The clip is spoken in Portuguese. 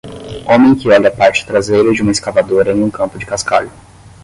Homem que olha a parte traseira de uma escavadora em um campo do cascalho.